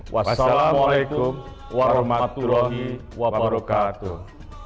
wassalamualaikum warahmatullahi wabarakatuh